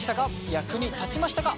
役に立ちましたか？